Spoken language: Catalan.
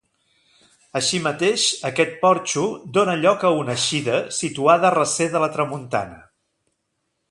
Així mateix aquest porxo dóna lloc a una eixida, situada a recer de la tramuntana.